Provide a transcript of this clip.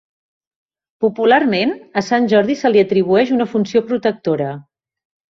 Popularment, a Sant Jordi se li atribueix una funció protectora.